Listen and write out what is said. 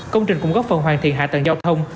công trình cũng góp phần hoàn thiện hạ tầng giao thông